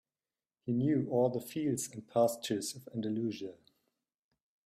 He knew all the fields and pastures of Andalusia.